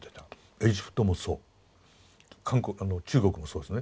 エジプトもそう中国もそうですね。